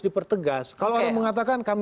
dipertegas kalau orang mengatakan kami